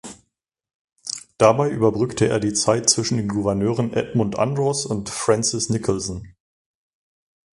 Dabei überbrückte er die Zeit zwischen den Gouverneuren Edmund Andros und Francis Nicholson.